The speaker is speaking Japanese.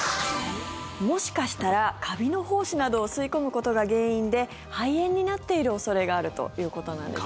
もしかしたら、カビの胞子などを吸い込むことが原因で肺炎になっている恐れがあるということなんですね。